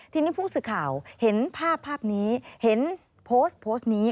ทีนี้พุ่งสื่อข่าวเห็นภาพนี้เห็นโพสต์นี้